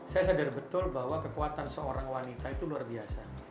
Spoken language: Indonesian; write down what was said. saya sadar betul bahwa kekuatan seorang wanita itu luar biasa